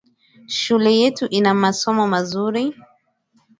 Shule yetu ina masomo mazuri